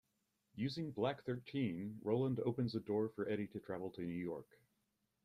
Using Black Thirteen, Roland opens a door for Eddie to travel to New York.